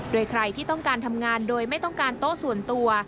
โดยใครที่ต้องการทำงานโดยไม่ต้องการโต๊ะส่วนตัว